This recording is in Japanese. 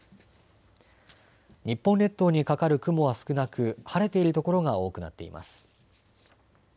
日本列島にかかる雲は少なく晴れている所が多くなっています。